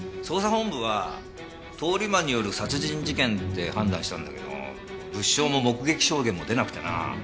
捜査本部は通り魔による殺人事件って判断したんだけども物証も目撃証言も出なくてな。